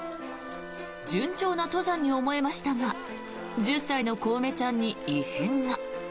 順調な登山に思えましたが１０歳のこうめちゃんに異変が。